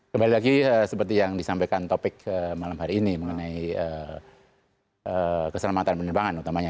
kembali lagi seperti yang disampaikan topik malam hari ini mengenai keselamatan penerbangan utamanya